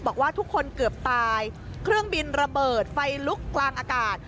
บอกว่าทุกคนเกือบตายเครื่องบินระเบิดไฟลุกกลางอากาศ